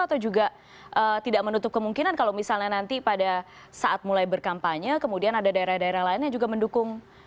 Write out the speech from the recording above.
atau juga tidak menutup kemungkinan kalau misalnya nanti pada saat mulai berkampanye kemudian ada daerah daerah lain yang juga mendukung